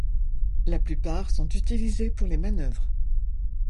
La plupart sont utilisées pour les manœuvres.